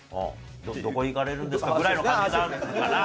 「どこに行かれるんですか？」ぐらいの感じかな。